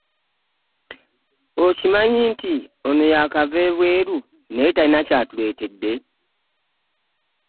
Okimanyi nti ono yaakava bwe ru naye talina kyatuletedde.